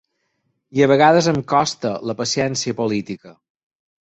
I a vegades em costa, la paciència política.